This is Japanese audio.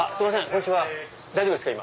こんにちは大丈夫ですか？